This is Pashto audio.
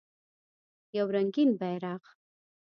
یو رنګین بیرغ